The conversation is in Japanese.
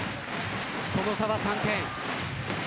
その差は３点。